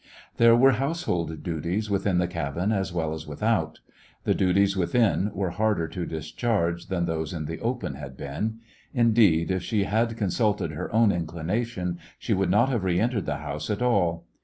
There were household duties with in the cahin as well as without. The duties within were harder to dis charge than those in the open had been. Indeed, if she had consulted her own inclination, she would not have reentered the house at all.